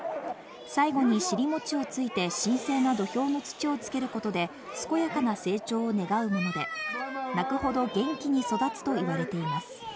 最後に尻もちをついて神聖な土俵の土をつけることで、健やかな成長を願うもので、泣くほど元気に育つと言われています。